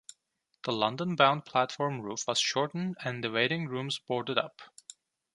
The London-bound platform roof was shortened and the waiting rooms boarded up.